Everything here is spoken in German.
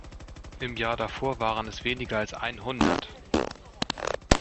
Im Jahr davor waren es weniger als einhundert.